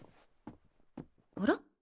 あら？